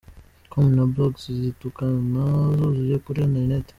com na blogs zitukana zuzuye kuri internet.